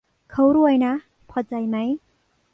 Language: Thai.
เขารวยนะ พอใจไหม